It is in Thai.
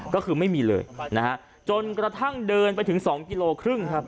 ก็คือไม่มีเลยนะฮะจนกระทั่งเดินไปถึง๒กิโลครึ่งครับ